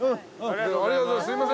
ありがとうございます。